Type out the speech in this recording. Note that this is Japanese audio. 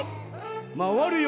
まわるよ。